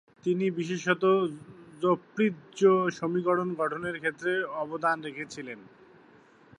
তিনি বিশেষত জ্যোপ্রিৎজ সমীকরণ গঠনের ক্ষেত্রে অবদান রেখেছিলেন।